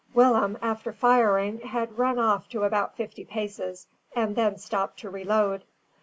Willem, after firing, had run off to about fifty paces, and then stopped to reload.